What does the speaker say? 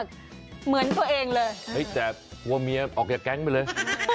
กลัวเมียออกอย่างแก๊งไปเลย